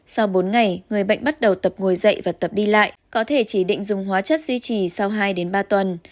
sau bốn ngày người bệnh bắt đầu tập ngồi dậy và tập đi lại có thể chỉ định dùng hóa chất duy trì sau hai ba tuần